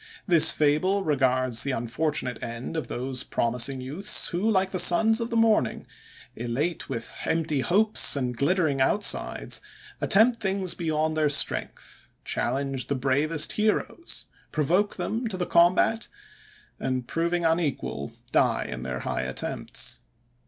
—This fable regards the unfortunate end of those promising youths, who, like sons of the morning, elate with empty hopes and glittering outsides, attempt things beyond their strength; challenge the bravest heroes; provoke them to the combat; and, proving unequal, die in their high attempts.